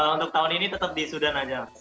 untuk tahun ini tetap di sudan aja